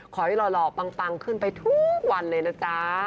หล่อปังขึ้นไปทุกวันเลยนะจ๊ะ